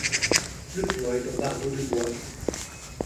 Le toit est en bardeau de bois.